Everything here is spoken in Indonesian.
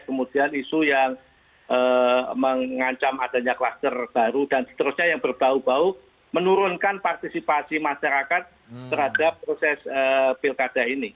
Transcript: kemudian isu yang mengancam adanya kluster baru dan seterusnya yang berbau bau menurunkan partisipasi masyarakat terhadap proses pilkada ini